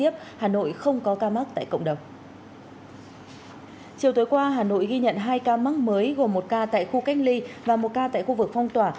chiều tối qua hà nội ghi nhận hai ca mắc mới gồm một ca tại khu cách ly và một ca tại khu vực phong tỏa